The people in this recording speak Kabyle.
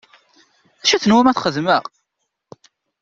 D acu i tenwam ad t-xedmeɣ?